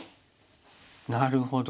なるほど。